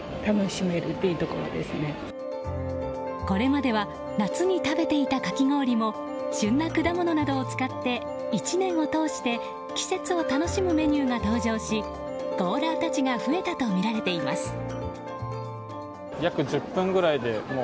これまでは夏に食べていたかき氷も旬な果物などを使って１年を通して季節を楽しむメニューが登場しゴーラーたちが増えたとみられています。